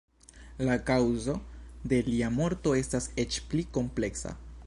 La kaŭzo de lia morto estas eĉ pli kompleksa.